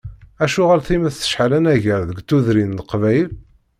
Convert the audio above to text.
Acuɣer times tecεel anagar deg tudrin n Leqbayel?